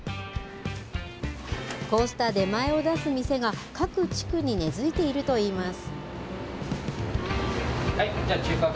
こうした出前を出す店が、各地区に根づいているといいます。